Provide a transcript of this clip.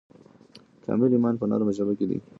کامل ایمان په نرمه ژبه کې دی.